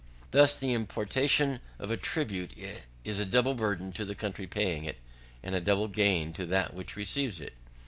Thus the imposition of a tribute is a double burthen to the country paying it, and a double gain to that which receives it.